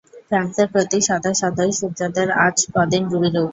ফ্রান্সের প্রতি সদা সদয় সূর্যদেব আজ ক-দিন বিরূপ।